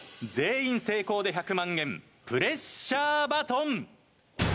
全員成功で１００万円プレッシャーバトン。